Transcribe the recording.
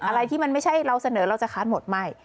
อะไรที่มันไม่ใช่เราเสนอเราจะค้านหมดไม่